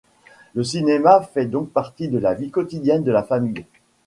Le cinéma fait donc partie de la vie quotidienne de la famille.